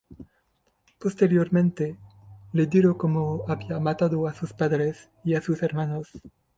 Posteriormente le dijo cómo había matado a sus padres y a sus hermanos.